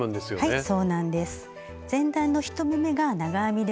はい。